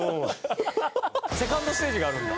セカンドステージがあるんだ。